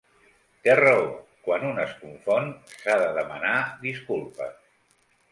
Té raó, quan un es confon s'ha de demanar disculpes.